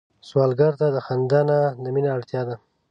سوالګر ته د خندا نه، د مينه اړتيا ده